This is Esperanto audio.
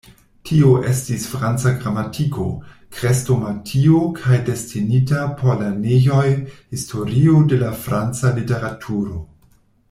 Tio estis franca gramatiko, krestomatio kaj destinita por lernejoj historio de la franca literaturo.